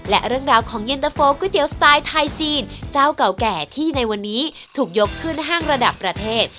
และเรื่องราวของเย็นตะโฟก๋วยเตี๋ยวสไตล์ไทยจีนเจ้าเก่าแก่ที่ในวันนี้ถูกยกขึ้นห้างระดับประเทศ